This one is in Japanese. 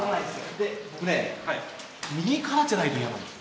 で僕ね右からじゃないと嫌なんですよ。